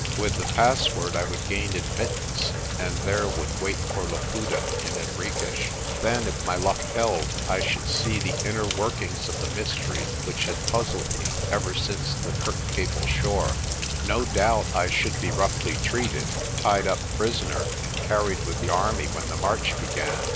With the password I would gain admittance, and there would wait for Laputa and Henriques. Then, if my luck held, I should see the inner workings of the mystery which had puzzled me ever since the Kirkcaple shore. No doubt I should be roughly treated, tied up prisoner, and carried with the army when the march began.